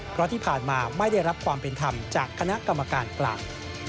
เพราะที่ผ่านมาไม่ได้รับความเป็นธรรมจากคณะกรรมการกลาง